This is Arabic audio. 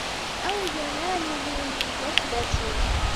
أَوْ يَنَالُهُ مِنْ نَكْبَةٍ